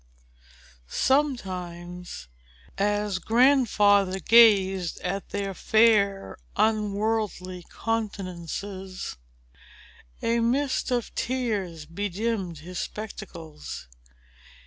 Sometimes, as Grandfather gazed at their fair, unworldly countenances, a mist of tears bedimmed his spectacles.